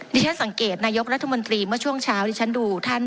ที่ฉันสังเกตนายกรัฐมนตรีเมื่อช่วงเช้าที่ฉันดูท่าน